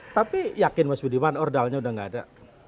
tapi yakin mas budiman ordalnya udah gak ada